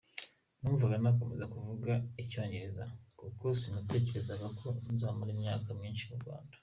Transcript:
Numvaga nakomeza kuvuga icyongereza, kuko sinatekereza ko nzamara imyaka myinshi mu Rwanda.